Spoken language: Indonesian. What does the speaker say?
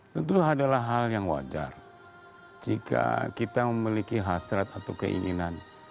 tentu adalah hal yang wajar jika kita memiliki hasrat atau keinginan